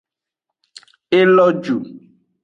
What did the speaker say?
E lo ju.